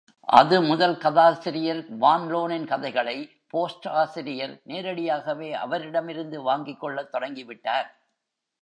அது முதல் கதாசிரியர் வான் லோனின் கதைகளை போஸ்ட் ஆசிரியர் நேரடியாகவே அவரிடமிருந்து வாங்கிக் கொள்ளத் தொடங்கி விட்டார்.